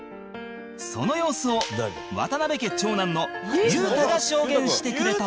その様子を渡辺家長男の裕太が証言してくれた